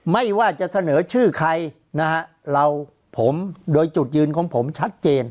ไม่ว่าจะเสนอชื่อใครนะฮะเราผมโดยจุดยืนของผมชัดเจน